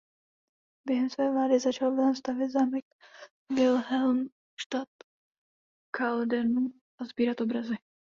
Během své vlády začal Vilém stavět zámek Wilhelmsthal v Caldenu a sbírat obrazy.